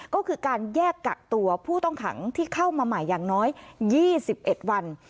ก็คือการแยกกักตัวผู้ต้องขังที่เข้ามาใหม่อย่างน้อย๒๑วัน